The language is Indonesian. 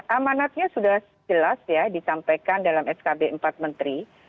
amanatnya sudah jelas ya disampaikan dalam skb empat menteri